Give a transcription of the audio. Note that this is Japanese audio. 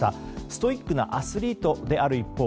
ストイックなアスリートである一方